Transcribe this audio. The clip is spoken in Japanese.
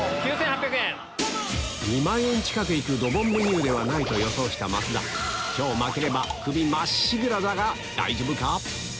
２万円近く行くドボンメニューではないと予想した増田今日負ければクビまっしぐらだが大丈夫か？